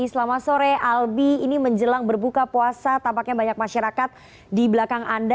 selamat sore albi ini menjelang berbuka puasa tampaknya banyak masyarakat di belakang anda